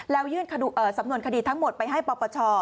แล้วยื่นสำนวนคดีทั้งหมดไปให้ปปช